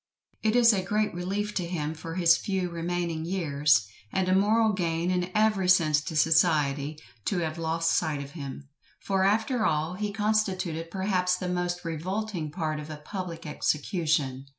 It is a great relief to him for his few remaining years, and a moral gain in every sense to society, to have lost sight of him; for after all, he constituted perhaps the most revolting part of a public execution.